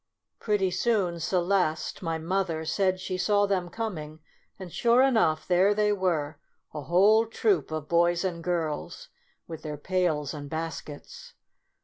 Pretty soon Celeste (my mother) said she saw them coming; and sure enough there they were, a whole troop of boys and girls, with their pails and baskets.